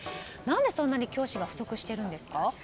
何でそんなに教師が不足してるんですか？